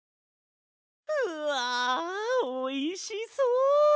うわおいしそう！